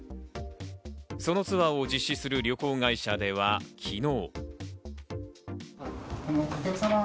そのツアーを実施する旅行会社では昨日。